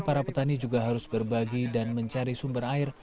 para petani juga harus berbagi dan mencari sumber air